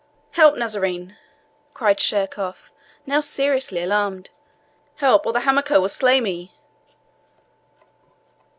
"Help, Nazarene!" cried Sheerkohf, now seriously alarmed; "help, or the Hamako will slay me."